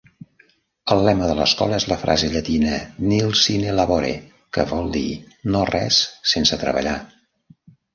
El lema de l'escola és la frase llatina "Nil Sine Labore", que vol dir "no-res sense treballar ".